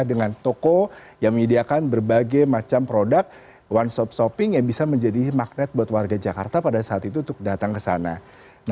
dengan toko yang menyediakan berbagai macam produk one shop shopping yang bisa menjadi magnet buat warga jakarta pada saat itu untuk datang ke sana